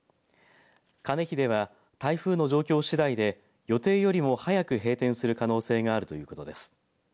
かねひでは台風の状況次第で予定よりも早く閉店する可能性があるということです。